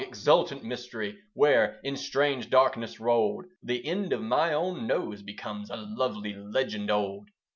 exultant mystery Where, in strange darkness rolled, The end of my own nose becomes A lovely legend old.